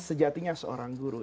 sejatinya seorang guru